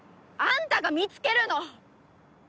あんたが見つけるの！